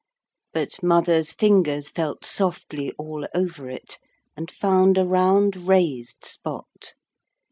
But mother's fingers felt softly all over it, and found a round raised spot.